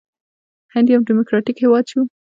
هند یو ډیموکراټیک هیواد شو.